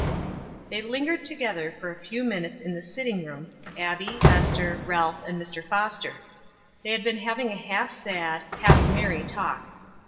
They lingered together for a few minutes in the sitting room, Abbie, Ester, Ralph and Mr. Foster. They had been having a half sad, half merry talk.